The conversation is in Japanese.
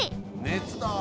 熱だ！